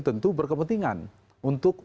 tentu berkepentingan untuk